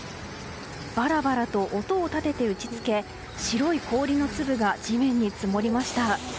バラバラと音を立てて打ち付け白い氷の粒が地面に積もりました。